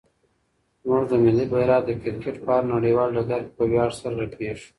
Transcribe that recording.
زموږ ملي بیرغ د کرکټ په هر نړیوال ډګر کې په ویاړ سره رپېږي.